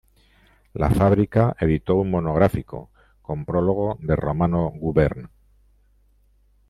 La Fábrica editó un monográfico, con prólogo de Romano Gubern.